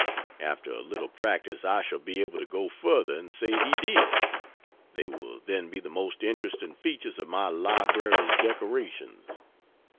After a little practice I shall be able to go further and say he did; they will then be the most interesting features of my library's decorations.